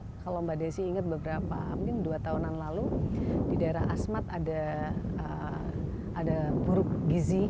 jadi misalnya kalau mbak desi ingat beberapa mungkin dua tahunan lalu di daerah asmat ada buruk gizi